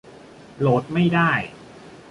โหลดไม่ได้